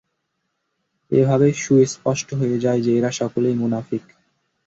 এভাবে সুস্পষ্ট হয়ে যায় যে, এরা সকলেই মুনাফিক।